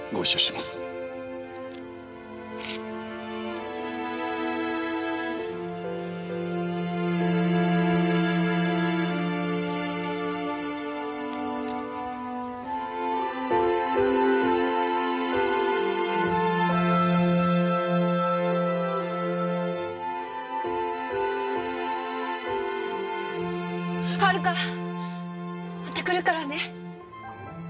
また来るからね。